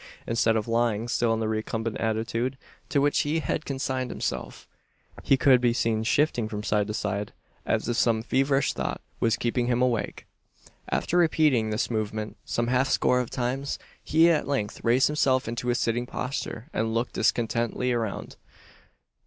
Instead of lying still in the recumbent attitude to which he had consigned himself, he could be seen shifting from side to side, as if some feverish thought was keeping him awake. After repeating this movement some half score of times, he at length raised himself into a sitting posture, and looked discontentedly around.